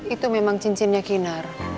itu memang cincinnya kinar